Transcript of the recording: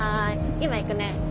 今行くね。